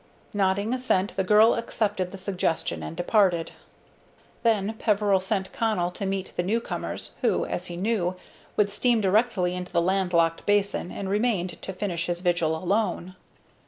Nodding assent, the girl accepted the suggestion and departed. Then Peveril sent Connell to meet the new comers, who, as he knew, would steam directly into the land locked basin, and remained to finish his vigil alone.